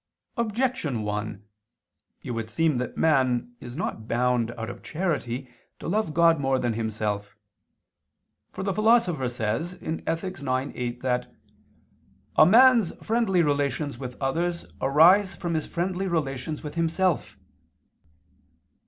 Objection 1: It would seem that man is not bound, out of charity, to love God more than himself. For the Philosopher says (Ethic. ix, 8) that "a man's friendly relations with others arise from his friendly relations with himself."